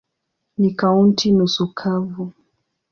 Ni kaunti nusu kavu.